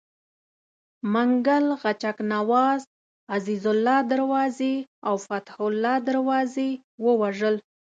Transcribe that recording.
منګل غچک نواز، عزیزالله دروازي او فتح الله دروازي ووژل.